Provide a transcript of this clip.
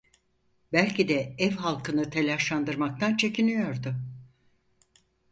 Belki de ev halkını telaşlandırmaktan çekiniyordu.